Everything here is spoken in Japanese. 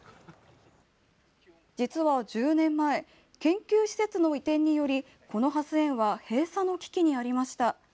実は１０年前研究施設の移転によりこのハス園は閉鎖の危機にありました。